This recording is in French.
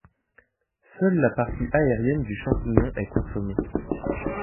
Seule la partie aérienne du champignon est consommée.